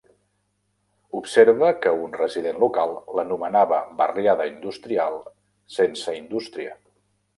Observa que un resident local l'anomenava barriada industrial sense indústria.